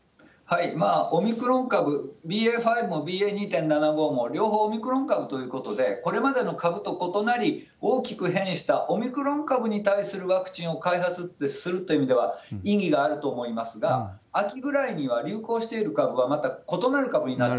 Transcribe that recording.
オミクロン株、ＢＡ．５もＢＡ．２．７５も、両方オミクロン株ということで、これまでの株と異なり、大きく変異したオミクロン株に対するワクチンを開発するという意味では、意義があると思いますが、秋ぐらいには流行している株はまた異なる株になる。